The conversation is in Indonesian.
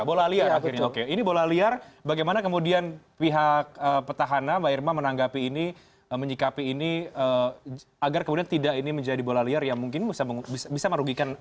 bola liar akhirnya oke ini bola liar bagaimana kemudian pihak petahana mbak irma menanggapi ini menyikapi ini agar kemudian tidak ini menjadi bola liar yang mungkin bisa merugikan